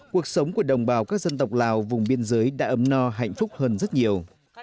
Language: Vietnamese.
cuộc sống của đồng bào các dân tộc lào vùng biên giới đã ấm no hạnh phúc hơn rất nhiều